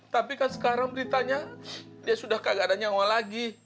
tapi kan sekarang beritanya dia sudah kagak ada nyawa lagi